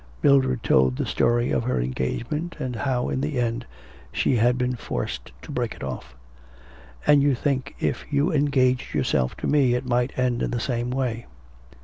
Mildred told the story of her engagement, and how in the end she had been forced to break it off. 'And you think if you engaged yourself to me it might end in the same way?'